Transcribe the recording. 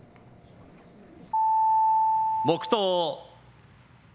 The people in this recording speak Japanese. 黙とう。